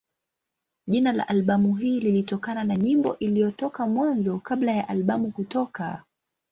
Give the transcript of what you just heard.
Jina la albamu hii lilitokana na nyimbo iliyotoka Mwanzo kabla ya albamu kutoka.